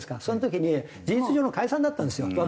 その時に事実上の解散だったんですよ